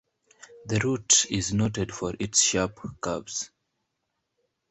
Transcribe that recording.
The route is noted for its sharp curves.